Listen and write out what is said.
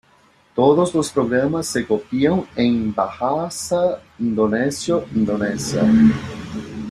Todos los programas se copian en bahasa indonesio Indonesia.